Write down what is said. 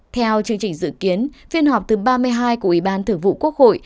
theo chương trình dự kiến phiên họp thứ ba mươi hai của ủy ban thường vụ quốc hội